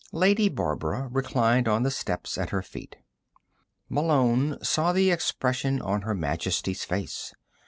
Lady Barbara reclined on the steps at her feet. Malone saw the expression on Her Majesty's face.